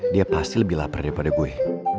dia pasti lebih lapar daripada gue